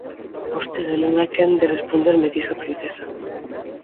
Vostede non é quen de responderme dixo a princesa.